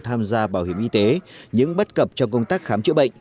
tham gia bảo hiểm y tế những bất cập trong công tác khám chữa bệnh